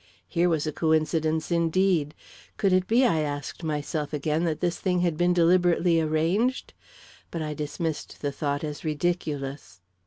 Here was a coincidence, indeed! Could it be, I asked myself again, that this thing had been deliberately arranged? But I dismissed the thought as ridiculous.